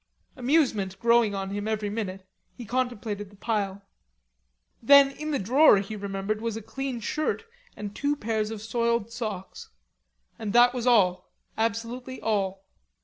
Amusement growing on him every minute, he contemplated the pile. Then, in the drawer, he remembered, was a clean shirt and two pairs of soiled socks. And that was all, absolutely all.